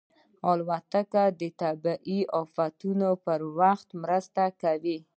الوتکه د طبیعي افتونو په وخت مرسته کوي.